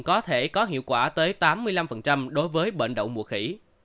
có thể có hiệu quả tới tám mươi năm đối với bệnh đậu mùa khỉ